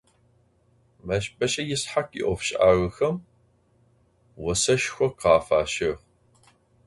Meşbeş'e Yishakh yi'ofş'ağexem voseşşxo khafaş'ığ.